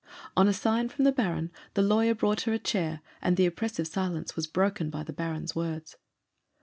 On a sign from the Baron the lawyer brought her a chair, and the oppressive silence was broken by the Baron's words.